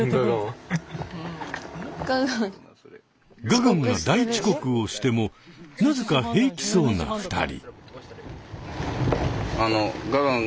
ガガンが大遅刻をしてもなぜか平気そうな２人。